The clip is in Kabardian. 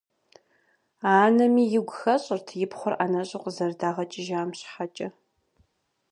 Анэми игу хэщӏырт и пхъур ӏэнэщӏу къызэрыдагъэкӏыжам щхьэкӏэ.